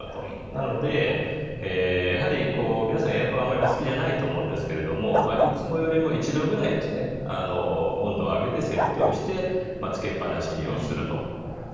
なので、皆さんエアコンはあまりお好きではないと思うんですけどもいつもよりも１度くらい温度を上げて設定をしてつけっぱなしにすると。